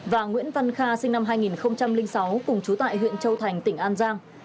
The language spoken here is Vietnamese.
và nguyễn văn kha sinh năm hai nghìn sáu cùng chú tại huyện châu thành tỉnh an giang